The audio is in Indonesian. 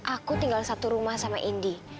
aku tinggal satu rumah sama indi